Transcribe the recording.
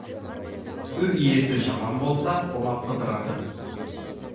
Үй иесі жаман болса, қонақ қыдырады.